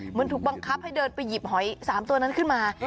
เหมือนถูกบังคับให้เดินไปหยิบหอย๓ตัวนั้นขึ้นมา